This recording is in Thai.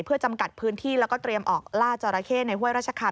เพื่อจำกัดพื้นที่แล้วก็เตรียมออกล่าจราเข้ในห้วยราชคา